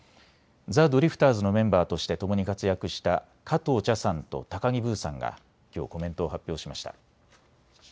ザ・ドリフターズのメンバーとしてともに活躍した加藤茶さんと高木ブーさんがきょうコメントを発表しました。